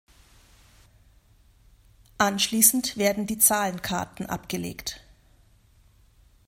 Anschließend werden die Zahlenkarten abgelegt.